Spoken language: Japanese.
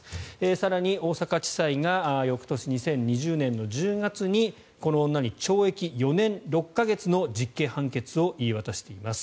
更に大阪地裁が翌年２０２０年の１０月にこの女に懲役４年６か月の実刑判決を言い渡しています。